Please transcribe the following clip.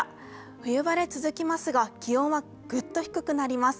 冬晴れ続きますが、気温はグッと低くなります。